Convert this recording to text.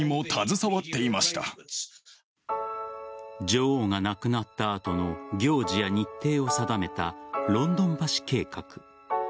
女王が亡くなった後の行事や日程を定めたロンドン橋計画。